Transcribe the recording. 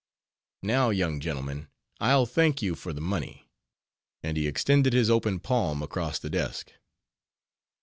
Now, young gentleman, I'll thank you for the money;" and he extended his open palm across the desk.